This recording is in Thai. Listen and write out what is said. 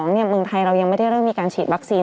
เมืองไทยเรายังไม่ได้เริ่มมีการฉีดวัคซีน